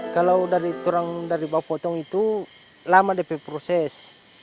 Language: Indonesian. kalau dari bawah potong itu lama dp proses